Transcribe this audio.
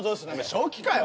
正気かよ